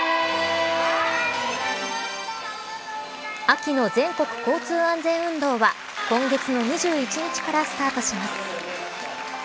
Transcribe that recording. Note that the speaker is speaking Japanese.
秋の全国交通安全運動は今月の２１日からスタートします。